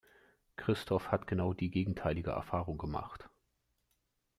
Christoph hat genau die gegenteilige Erfahrung gemacht.